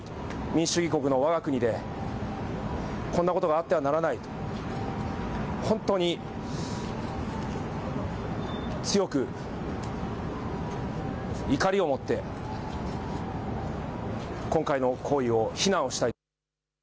民主主義国のわが国でこんなことがあってはならないと本当に強く怒りを持って今回の行為を非難をしたい。